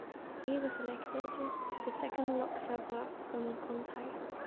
He was elected to the second Lok Sabha from Contai.